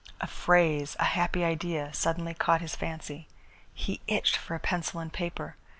A phrase, a happy idea, suddenly caught his fancy. He itched for a pencil and paper.